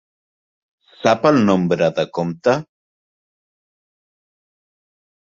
Sap el nombre de compte?